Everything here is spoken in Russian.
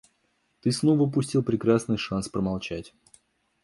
Ты снова упустил прекрасный шанс промолчать.